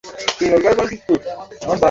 শিক্ষা বিস্তারে অবদান রাখেন।